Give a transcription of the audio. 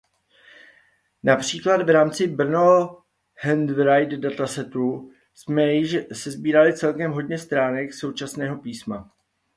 Například v rámci Brno Handwritten Datasetu jsme již sesbírali celkem hodně stránek současného písma.